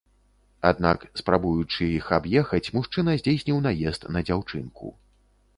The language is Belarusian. Аднак спрабуючы іх аб'ехаць, мужчына здзейсніў наезд на дзяўчынку.